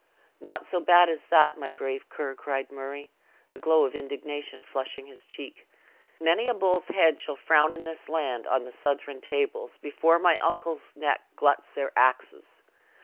"Not so bad as that, my brave Ker," cried Murray, a glow of indignation flushing his cheek; "many a bull's head shall frown in this land, on the Southron tables, before my uncle's neck gluts their axes!